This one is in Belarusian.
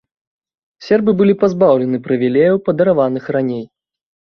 Сербы былі пазбаўлены прывілеяў, падараваных раней.